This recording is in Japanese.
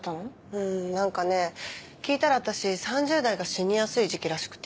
うん何かね聞いたら私３０代が死にやすい時期らしくて。